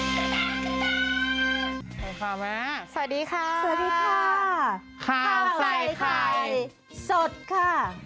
สวัสดีค่ะแม่สวัสดีค่ะสวัสดีค่ะข้าวใส่ไข่สดค่ะ